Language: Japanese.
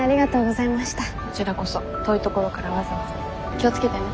気を付けてね。